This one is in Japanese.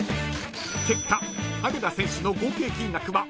［結果羽根田選手の合計金額は］